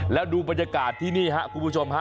แล้วดูบรรยากาศที่นี่ครับคุณผู้ชมฮะ